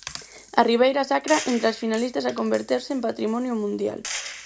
A Ribeira Sacra, entre as finalistas a converterse en Patrimonio Mundial.